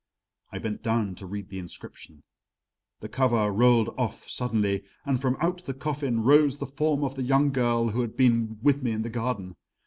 I bent down to read the inscription, the cover rolled off suddenly, and from out the coffin rose the form of the young girl who had been with me in the garden.